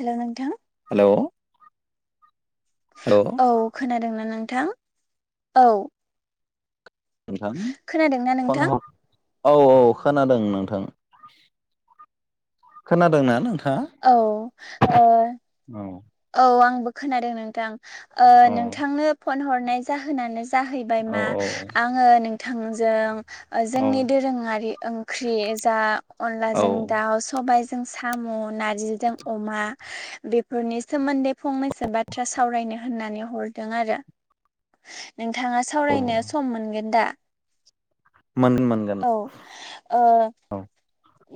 Hello नोंथां hello hello औ खोनादोंना नोंथां औ? नोंथां खोनादोंना फन नोंथां हर औ औ खोनादों नोंथां खोनादोंना नों? औ ओ [inaudible] औ आंबो खोनादों नोंथां औ नोंथांनो फन हरनाय जाहोनानो जा जाहैबाय मा औ आङो नोंथांजों औ जोंनि दोरोङारि ओंख्रि जा औ अनलाजों दाउ सबाय जों साम' नारजि जों अमा बेफोरनि सोमोन्दै फंनैसो बाथ्रा सावरायनो होननानै हरदों आरो नोंथाङा औ सावरायनो सम मोनगोन दा? मोन मोनगोन औ औ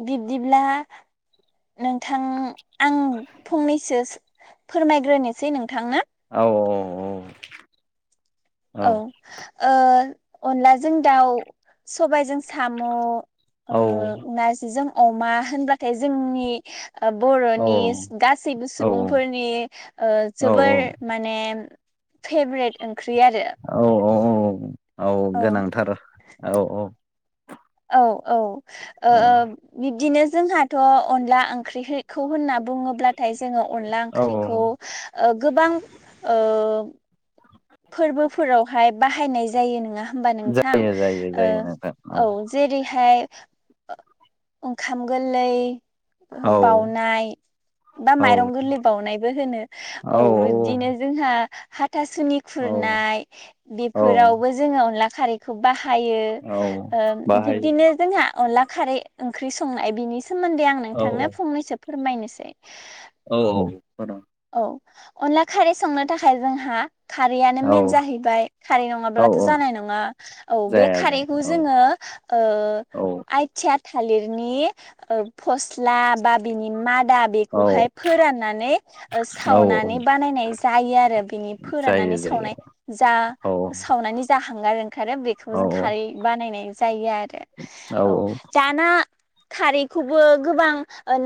बिबदिब्ला नोंथां आं फंनैसो फोरमायग्रोनोसै नोंथांङा औ औ औ अनलाजों दाउ सबायजों साम' औ नारजि जों अमा होनबाथाय जोंनि औ बर'नि गासैबो औ सुबुंफोरनि औ जोबोर माने फेभ्रेट ओंख्रि आरो औ औ औ औ गोनांथार औ औ औ औ औ बिब्दिनो जोंहाथ' अनला ओंख्रि खौ होनना बुङोब्लाथाय जोङो अनला औ ओंख्रिखौ गोबां फोरबोफोरावहाय बाहायनाय जायो नङा होमबा नोंथां जायो जायो जायो नोंथां औ जेरैहाय ओंखाम गोरलै औ बावनाय बा औ माइरं गोरलै बावउनायबो होनो औ बिब्दिनो जोंहा हाथासुनि औ खुरनाय औ बेफोरावबो जोङो अनला खारैखौ बाहा हायो औ बाहायो बिब्दिनो जोंहा अनला खारै ओंख्रि संनाय बिनि सोमोन्दै आं औ नोंथांनो फंनैसो फोरमायनोसै औ औ औ अनला खारै संनो थाखाय जोंहा खारैआनो औ मेन जाहैबाय खारै औ नङाब्लाथ' जानाय नङा औ बे जाया जाया खारैखौ औ जोङो ओ औ आयथिया थालिरनि फस्ला बा बिनि म औ बेखौहाय फोराननानै ओ सावनानै औ बानायनाय जायो आरो बिनि फोराननानै जायो जायो सावनाय जा औ सावनानै जा हांगार ओंखारो औ बेखौ जों खारै बानायनाय जायो आरो औ दाना खारैखौबो गोबां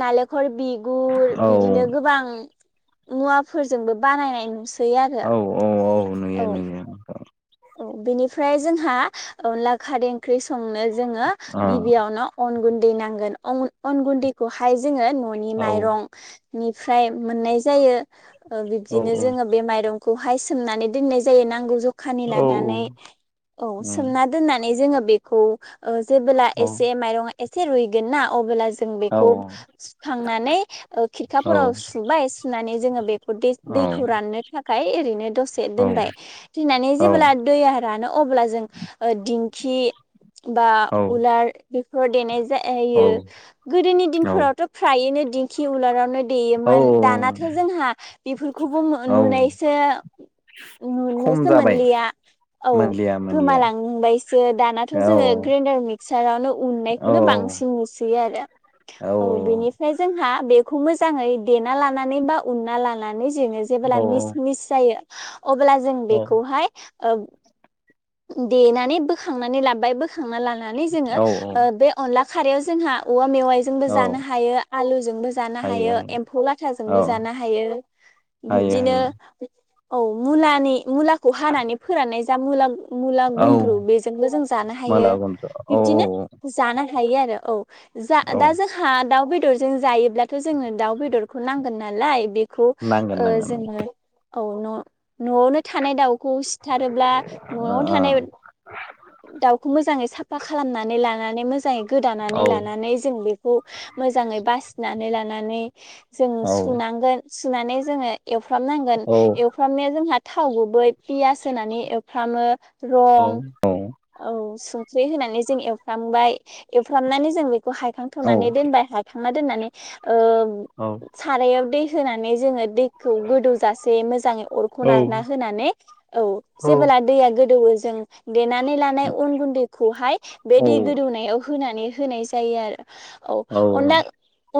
नालेंखल बिगुर औ बिदिनो गोबां मुवाफोरजोंबो बानायनाय नुसै आरो औ औ औ नुयो नुयो औ बेनिफ्राय जोंहा ला खारै ओंख्रि संनो जोङो अ गिबियावनो अन गुन्दै नांगोन अन गुन्दैखौ हाय जोङो न'नि औ माइरं निफ्राय मोननाय जायो। ओ औ बिब्दिनो जोङो बे माइरंखौ हाय सोमनानै दोननाय जायो नांगौ ज खानि औ लानानै औ उम सोमना दोननानै जोङो बेखौ जेबोला औ एसे माइरङा एसे रुइगोन ना अबोला जों औ बेखौ सुखां नानै ओ खिरखा औ फोराव सुबाय सुनानै जोङो बे दे दैखौ राननो थाखाय ओरैनो दसे दोनबाय दोननानै औ जेब्ला दैया रानो अब्ला जों ओ दिंखि बा उलार बेफोर देनाय जा यो गोदोनि दिन औ फोरावथ' फ्रायैनो दिंखि उलारावनो दैेयो औ मोन दाना थ' जोंहा बेफोर खौबो औ नुनायसो नुनो खम सो जाबाय मोनलिया औ मोनलिया मोनलिया गोमालां बायसो दानाथ' औ जोङो ग्रेनडार मिक्सा रावनो उनाय औ खौनो बांसिन नुसोयो आरो औ बेनिफ्राय जों हा बेखौ मोजाङै देना लानानै बा उनना लानानै जोङो जेब्ला औ मिस मिस जायो अब्ला जों बेखौ औ हाय देनानै बोखांनानै लाबाय बोखांना लानानै जोङो औ ओ बे अनला खारायाव जोंहा औवा मेवाइ जोंबो औ जानो हायो आलु जोंबो जानो हायो एम्फौ लाथा जोंबो औ जानो हायो। हायो बिबदिनो हायो औ मुलानि मुलाखौ हानानै फोराननाय जा मुला मुला औ गुन्द्रु बेजोंबो जों जानो हायो माला गनथ' औ बिब्दिनो जानो हायो आरो औ। जा औ दा जोंहा दाउ बेदरजों जायो ब्लाथ' जोंनो दाउ बेदरखौ नांगोन नालाय बे खौ नांगोन ओ नांगोन जोङो औ न' न'आवनो थानाय दाउखौ सिथारोब्ला न'आव थानाय दाउखौ मोजाङै साफा खालामनानै लानानै मोजाङै औ गोदानानै लानानै जों बेखौ मोजाङै बासिनानै लानानै जों औ सुनां गोन सुनानै जोङो एवफ्राम नांगोन एवफ्राम नाया जोंहा थाव गुबै पियास होनानै एवफ्रामो रं औ औ। औ संख्रि होनानै जों एवफ्राम बाय एवफ्राम नानै जों हायखां औ थ'नानै दोनबाय हायखांना दोननानै ओ सारायाव दै होनानै जोङो दैखौ गोदौ जासे मोजाङै अरखौ नारना होनानै औ जेबोला दैया गोदौ जों देनानै लानाय उन गुन्दैखौ हाय बे दै गोदौ नायाव होनानै होनाय जायो आरो औ अनला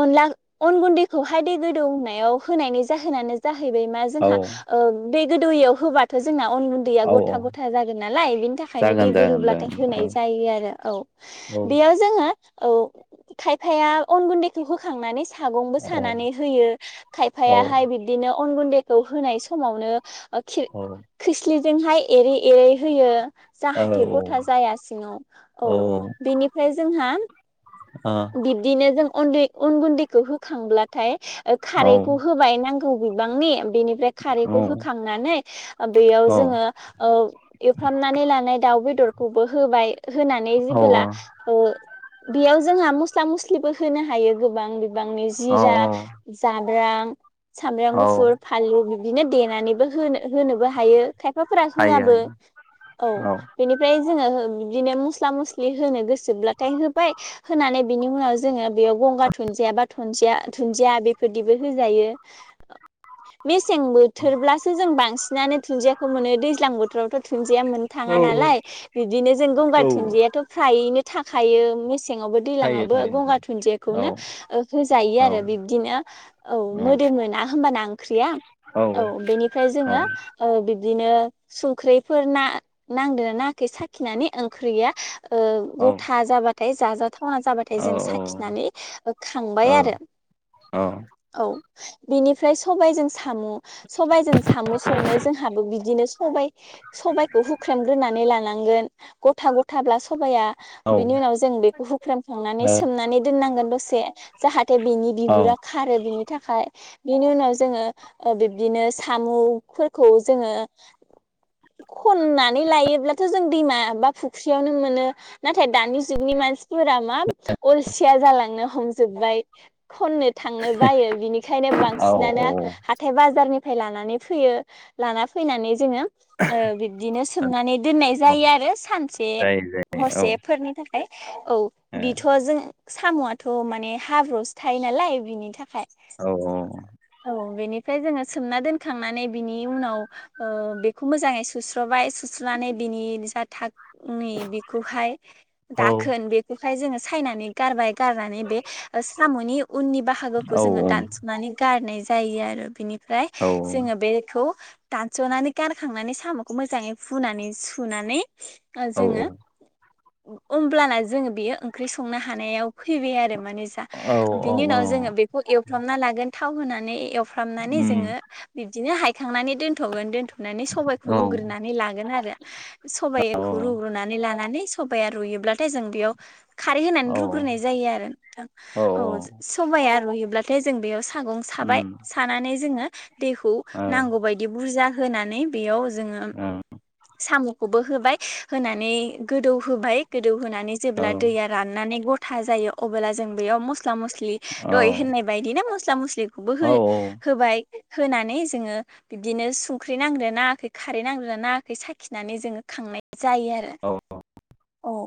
अनला अन गुन्दैखौ हाय दै गोदौ नायाव होनायनि जाहोनानो जाहैबाय मा औ जोंहा ओ गोदौयि आव होबाथ' जोंना अन गुन्दैया औ गथा गथा जागोन नालाय बिनि थाखाय यनो दै जागोन जागोन गोदौब्ला थाय जागोन औ होनाय जायो आरो औ औ बेयाव जोङो औ खायफाया अन गुन्दैखौ होखांनानै सागंबो औ सानानै होयो औ खायफाया हाय बिब्दिनो अन गुन्दैखौ होनाय समावनो खे औ खोस्लिजों हाय एरै एरै होयो। जाहाथे गथा जाया सिङाव औ बेनि फ्राय जोंहा बिब्दिनो जों उन्दै अन गुन्दैखौ होखां ब्लाथाय खारैखौ होबाय नां नांगौ बिबांनि बेनिफ्राय खारैखौ होखांनानै औ बेयाव जोङो ओ एवफ्रामनानै लानाय दाउ बेदर खौबो होबाय होनानै जेबोला ओ बेयाव जोंहा मस्ला मस्लिबो होनो हायो गोबां बिबांनि जिरा जाब्रां सामब्राम गुफुर, फानलु बिदिनो देनानैबो होनो होनोबो हायो। खायफा फोरा हो हायो आबो हायो औ बेनिफ्राय जोङो बिदिनो मस्ला मस्लि होनो गोसोब्ला थाय होबाय। होनानै बिनि उनाव जोङो बेयाव गंगार धुनन्दिया बा धुन्दिया बेफोरदिबो होजायो। मेसें बोथोर ब्लासो जों बांसिनानो दुन्दियाखौ मोनो दैज्लां बोथोरावथ' थ दुन्दिया मोननो थाङा औ नालाय बिदिनो जों गंगार औ दुनदियाथ' फ्रायैनो थाखायायो मेसें मेसेङावबो थायो दैलाङावबो थायो गंगार औ दुन्दिखौनो होयो औ आरो बिदिनो औ मो होनोना होमबाना ओंख्रिआ औ बेनिफ्राय जोङो औ बि बिदिनो संख्रिफोर ना नांदोंना नाङाखै साखिनानै ओंख्रिया ओ गथा जाबाथाय जाजाथाव थावना जाबाथाय जों साखिनानै खांबाय आरो औ बिनिफ्राय सबायजों साम' सबायजों साम' संनो जोंहाबो बिदिनो सबाइ सबायखौ हुख्रेमग्रोनानै लानांगोन गथा गथाब्ला सबाइया औ बिनि उनाव जों बेखौ हुख्रेमखांनानै सोमनानै दोननांगोन दसे जाहाथे बेनि बिगुरा खारो बिनि थाखाय बिनि उनाव जोङो बिब्दिनो साम'फोरखौ जोङो खननानै लायोब्लाथ' जों दैमा बा फुख्रियावनो मोनो नाथाय दानि जुगनि मानसि फोरा मा अलसिया जालांनो हमजोबबाय खननो थांनो बायो बिनिखायनो औ बांसिनानो औ हाथाय बाजारनि फाय लानानै फैयो लाना फैनानै जोङो ओ बिब्दिनो सोमनानै दोननाय जायो आरो सानसे जायो जायो हरसेफोरनि थाखाय थाखाय औ बिथ' जों साम'आथ' माने हाब्रुसो थायो नालाय बिनि थाखाय औ औ औ ओमफ्राय जोङो सोमना दोनखांनानै बिनि उनाव बेखौ मोजाङै सुस्रबाय सुस्रनानै बिनि जा थाग नै बेखौहाय दाखोन बेखौहाय जोङो सायनानै गारबाय गारनानै बे साम'नि उननि बाहागोखौ औ जोङो दानस'नानै गारनाय जायो आरो बिनिफ्राय औ जोङो बेखौ दानस'नानै गारखांनानै साम'खौ मोजाङै फुनानै सुनानै औ जोङो ओमब्लाना जोङो बेयो ओंख्रि संनो हानायाव फैबाय आरो माने जा औ बिनि उनाव जोङो बेखौ एवफ्रामना लागोन थाव होनानै एवफ्रामनानै उम जोङो बिबदिनो हायखांनानै दोन दोनथगोन दोनथ'नानै सबायखौ औ रुग्रोनानै लागोन आरो सबबायखौ रुग्रोनानै लानानै सबाया रुयोब्लाथाय जों बेयाव खारै होनानै रुग्रोनाय जायो आरो नोंथां औ सबाया रुयोब्लाथाय जों बेयाव सागं साबाय उम सानानै जोङो दैखौ औ नांगौबायायदि बुरजा होनानै बेयाव जोङो सामखौबो होबाय होनानै गोदौ होबाय गोदौ होना औ औ जेब्ला दैया राननानै गथा जायो अब्ला जों बेयाव मस मस्ला मस्लि औ दहाय होननाय बायदि ना मस्ला मस्लिखौबो हो औ होबाय होनानै जोङो बिबदिनो संख्रि नांग्रो नाङाखै खारै नांग्रो नाङाखै साखिनानै जोङो खांनाय जायो आरो औ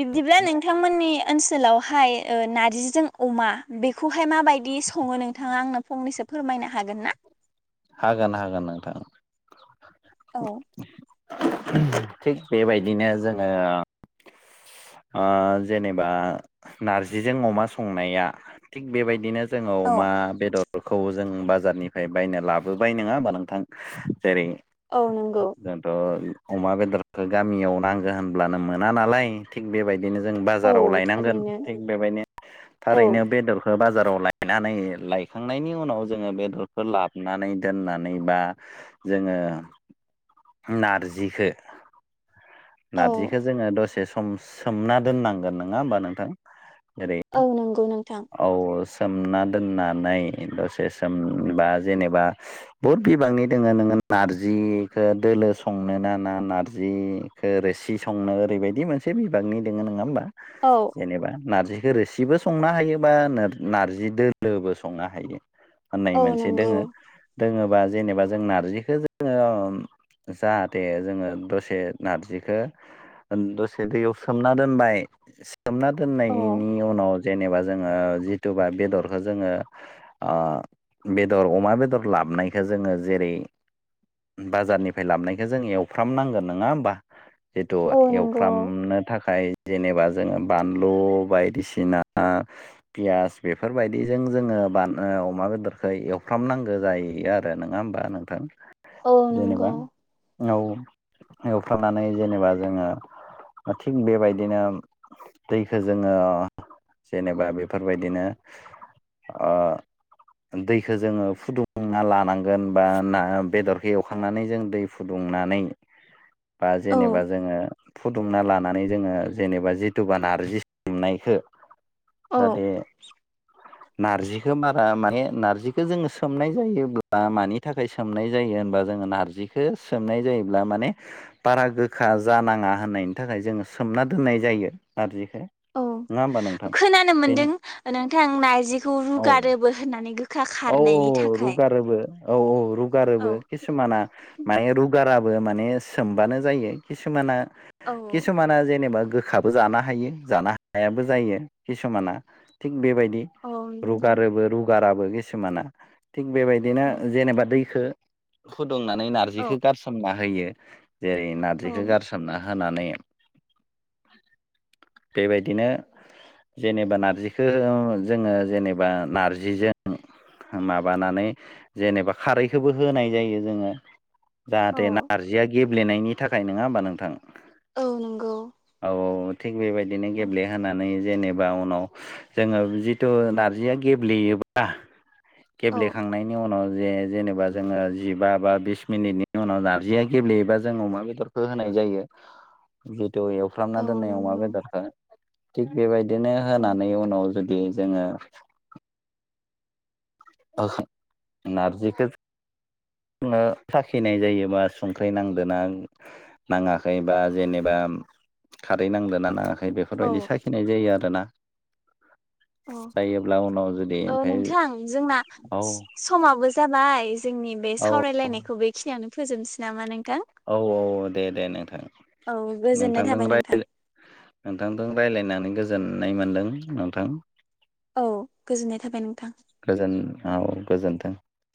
बिब्दिब्ला नोंथांमोननि ओनसोल ओनसोलावहाय ओ नारजिजों अमा बेखौहाय माबायदि सङो नोंथाङा आंनो फंनैसो फोरमायनो हागोन ना? हागोन हागोन नोंथां। औ थिग बेबायदिनो जोङो ओ जेनेबा नारजिजों अमा संनाया थिग बेबायदिनो जोङो अमा औ बेदरखौ जों बाजारनिफ्राय बायना लाबोबाय नङा होमबा नोंथां? जेरै औ नंगौ जोंथ' अमा बेदरखौ गामियाव नांगो होनब्लानो मोना नालाय थिग बेबायदि बिनो जों औ बाजाराव लायनांगोन थारैनो थिक बेबायदिनो औ थारैनो बेदरखौ बाजाराव लायनानै लायखांनायनि उनाव जोङो बेदरखौ लाबनानै दोननानै बा जोङो नारजिखौ औ नारजिखौ जोङो दसे सम सोमना दोननांगोन नङा होमबा नोंथां? जेरै औ नंगौ नोंथां। औ सोमना दोननानै दसे सोमबा जेनेबा बहुद बिबांनि दोङो नोङो नारजिखौ दोलो संनो ना ना नारजि? खो रोसि संनो ओरैबायदि मोनसे बिबागनि दोङो नङा होमबा औ जेनेबा नारजि खो रोसिबो संनो हायो बा नारजि दोलोबो संनो हायो होननाय औ मोनसे नंगौ दोङो दोङोबा जेनेबा जों नारजिखो जोङो जाहाथे जोङो दसे नारजिखो दसे दैयाव सोमना दोनबाय सोमना औ दोननायनि उनाव जेनेबा जोङो जिथुबा बेदरखौ जोङो ओ बेदर अमा बेदर लाबनायखौ जोङो जेरै- बाजारनिफ्राय लाबोनखौ जों एवफ्रामनांगोन नोङा होमबा? जिथु औ नंगौ एवफ्रामनो थाखाय जेनेबा जोङो बानलु बायदिसिना पियास बेफोरबायदिजों जोङो ओ बान अमा बेदरखौ एवफ्रामनांगौ जायो आरो नोङा होमबा नोंथां? औ जेनेबा नंगौ। औ एवफ्रामनानै जेनेबा जोङो थिग बेबायदिनो दैखो जोङो जेनेबा बेफोरबायदिनो ओ दैखो जोङो फुदुंना लानांगोन बा ना बेदरखौ एवखांनानै जों दै फुदुंनानै बा औ जेनेबा जोङो फुदुंना लानानै जोङो जेनेबा जिथुबा नारजि सोमनायखो औ जाहाथे नारजिखो बारा माने नारजिखो जोङो सो सोमनाय जायोब्ला मानि थाखाय सोमनाय जायो होनबा जोङो नारजिखौ सोमनाय जायोब्ला माने बारा गोखा जानाङा होननायनि थाखाय जोङो सोमना दोननाय जायो नारजिखो औ नङा होमबा नोंथां खोनानो मोनदों बेनो नोंथां नारजिखौ औ रुगारोबो होननानै गो औ औ रुगारोबो औ औ औ रुगारोबो किसुमाना माने रुगारा बो माने सोमबानो जायो खिसुमाना औ खिसुमाना जेनेबा गो खाबो जानो हायो जानो हायाबो जायो किसुमाना थिग बेबायदि औ नंगौ। रुगारोबो रुगाराबो किसुमाना। थिग बेबायदिनो औ जेनेबा दैखो फुदुंनानै औ नारजिखो गारसोमना होयो। जेरै नारजिखौ औ गारसोमना होनानै बेबायदिनो जेनेबा नारजिखो जोङो जेनेबा नारजिजों माबानानै जेनेबा खारैखोबो होनाय जायो जोङो। औ जाहाथे नारजिया गेब्लेनायनि थाखाय नोङा होमबा नोंथाङ? औ नंगौ। थिग बेबायदिनो औ गेब्लेहोनानै जेनेबा उनाव जोङो जिथु नारजिया गेब्लेयो बा औ गेब्लेखांनायनि उनाव जे जेनेबा जोङो जिबा बा बिस मिनिटनि उनाव नारजिया गेब्लेयोबा जों अमा बेदरखौ होनाय जायो बि दहाय एवफ्रामना औ दोननाय अमा नंगौ बेदरखौ थिग बेबायदिनो औ होनानै उनाव जु दि जोङो नारजिखो जोङो साखिनाय जायो बा संख्रि नांदों ना नाङाखै बा जेनेबा खारै नांदोंना नाङाखै बेफोरबायदि औ साखिनाय जायो आरोना अ जायोब्ला उनाव जुदि औ ओमफ्राय नोंथां जोंना औ स-स-समाबो जाबाय जोंनि बे औ सावरायलायनायखौ बेखिनियावनो फोजोबनोसै नामा नों औ औ दे दे नोंथां औ गोजोननाय नोंथांजों थाबाय नोंथां रायलाय नोंथांजों रायलायनानै गोजोननाय मोनदों नोंथां औ गोजोननाय थाबाय नोंथां। गोजोन औ गोजोनथों।